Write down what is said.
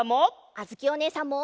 あづきおねえさんも！